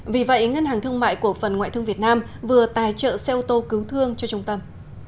vì vậy ngân hàng thương mại cổ phần ngoại thương việt nam vừa tài trợ xe ô tô cứu thương cho trung tâm